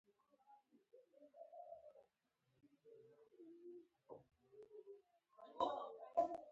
ځیني معماوي له ساده تورو څخه جوړي سوي يي.